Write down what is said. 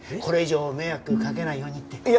これ以上迷惑かけないようにって。